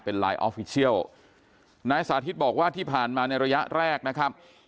ไลน์ออฟฟิเชียลนายสาธิตบอกว่าที่ผ่านมาในระยะแรกนะครับ